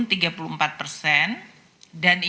dan ini adalah perusahaan yang sangat tinggi